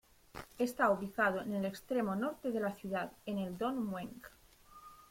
Está ubicado en el extremo norte de la ciudad, en el Don Mueang.